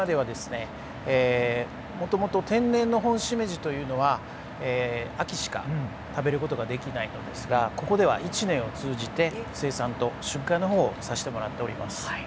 もともと天然のホンシメジというのは秋しか食べることができないんですがここでは１年を通じて生産と出荷の方をさせてもらっています。